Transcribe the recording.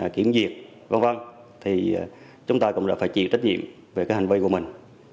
kiểm duyệt v v thì chúng ta cũng phải chịu trách nhiệm về hành vi của mình